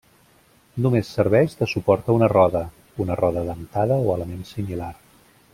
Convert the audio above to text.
Només serveix de suport a una roda, una roda dentada o element similar.